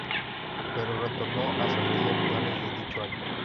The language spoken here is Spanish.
Pero retornó a Saltillo a finales de dicho año.